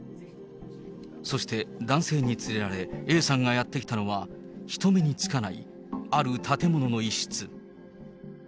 そして男性に連れられ、Ａさんがやって来たのは、人目につかないある建物の一室。